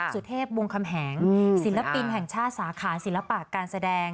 สุเทพวงคำแหงศิลปินแห่งชาติสาขาศิลปะการแสดง